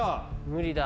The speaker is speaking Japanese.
無理だ。